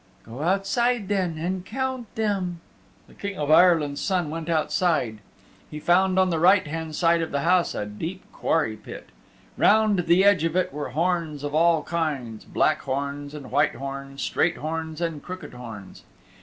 "Go outside then and count them." The King of Ireland's Son went outside. He found on the right hand side of the house a deep quarry pit. Round the edge of it were horns of all kinds, black horns and white horns, straight horns and crooked horns.